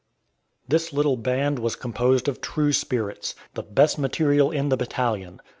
This little band was composed of true spirits, the best material in the battalion.